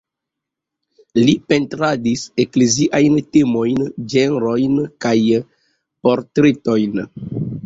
Li pentradis ekleziajn temojn, ĝenrojn kaj portretojn.